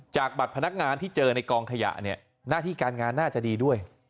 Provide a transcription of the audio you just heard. จากบัตรพนักงานที่เจอในกองขยะเนี่ยหน้าที่การงานน่าจะดีด้วย